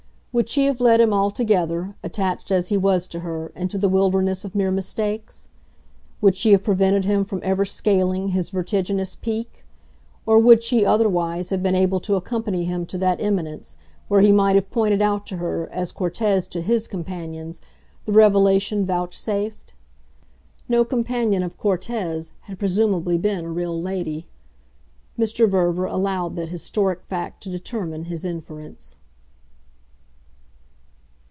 Would she have led him altogether, attached as he was to her, into the wilderness of mere mistakes? Would she have prevented him from ever scaling his vertiginous Peak? or would she, otherwise, have been able to accompany him to that eminence, where he might have pointed out to her, as Cortez to HIS companions, the revelation vouchsafed? No companion of Cortez had presumably been a real lady: Mr. Verver allowed that historic fact to determine his inference.